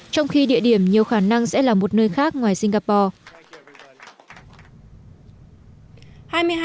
trong khi địa điểm nhiều khả năng sẽ là một nơi khác ngoài singapore